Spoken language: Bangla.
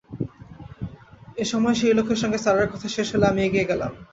এ সময় সেই লোকের সঙ্গে স্যারের কথা শেষ হলে আমি এগিয়ে গেলাম।